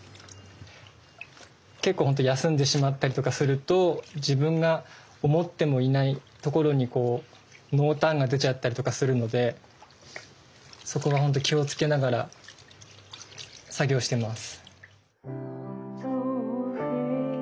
結構ほんと休んでしまったりとかすると自分が思ってもいないところにこう濃淡が出ちゃったりとかするのでそこはほんと気をつけながら作業してます。